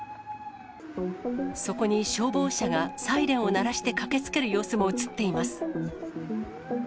そこに消防車がサイレンを鳴らして駆けつける様子も写っています。